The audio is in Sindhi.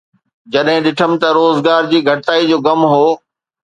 جڏهن ڏٺم ته روزگار جي گھٽتائي جو غم هو